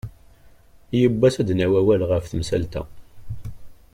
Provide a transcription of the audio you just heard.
Yiwen n wass, ad d-nawi awal ɣef temsalt-a.